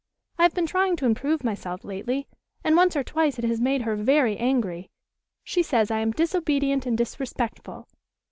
I have been trying to improve myself lately, and once or twice it has made her very angry. She says I am disobedient and disrespectful.